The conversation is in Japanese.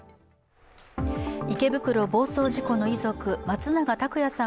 池袋暴走事故の遺族、松永拓也さん